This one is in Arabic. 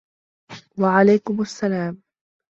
و عليكم السلام